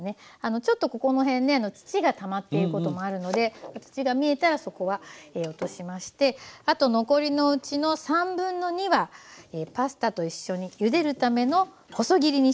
ちょっとここの辺ね土がたまっていることもあるので土が見えたらそこは落としましてあと残りのうちの2/3はパスタと一緒にゆでるための細切りにします